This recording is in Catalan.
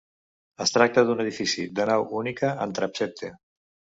Es tracta d'un edifici de nau única amb transsepte.